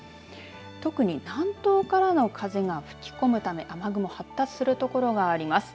特に南東からの風が吹き込むため雨雲、発達する所があります。